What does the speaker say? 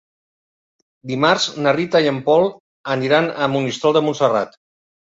Dimarts na Rita i en Pol aniran a Monistrol de Montserrat.